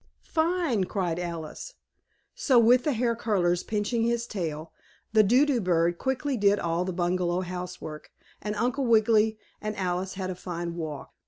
"Fine!" cried Alice. So with the hair curlers pinching his tail the Do do bird quickly did all the bungalow housework, and Uncle Wiggily and Alice had a fine walk.